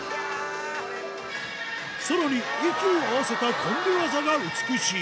さらに息を合わせたコンビ技が美しい